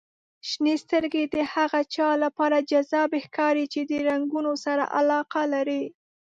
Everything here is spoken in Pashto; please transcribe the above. • شنې سترګې د هغه چا لپاره جذابې ښکاري چې د رنګونو سره علاقه لري.